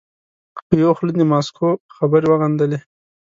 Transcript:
په یوه خوله د ماسکو خبرې وغندلې.